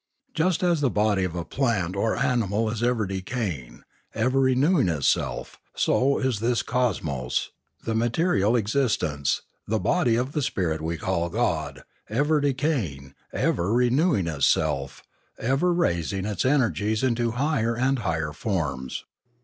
Just as the body of a plant or animal is ever decaying, ever renewing itself, so is this cosmos, the material existence, the body of the spirit we call God, ever decaying, ever renewing itself, Religion 687 ever raising its energies into higher and higher forms.